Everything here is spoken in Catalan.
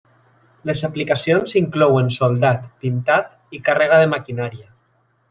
Les aplicacions inclouen soldat, pintat i càrrega de maquinària.